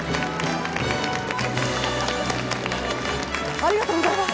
ありがとうございます！